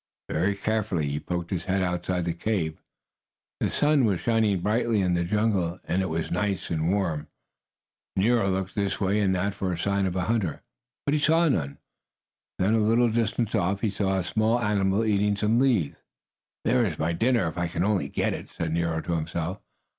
Very carefully he poked his head outside the cave. The sun was shining brightly in the jungle, and it was nice and warm. Nero looked this way and that for a sign of a hunter, but he saw none. Then, a little distance off, he saw a small animal eating some leaves. "There is my dinner if I can only get it," said Nero to himself.